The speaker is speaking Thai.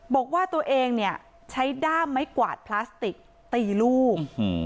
บอกว่าตัวเองเนี่ยใช้ด้ามไม้กวาดพลาสติกตีลูก